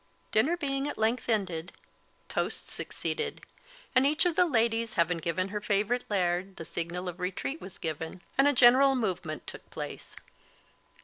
Dinner being at length ended, toasts succeeded: and each of the ladies having given her favourite laird, the signal of retreat was given, and a general movement took place.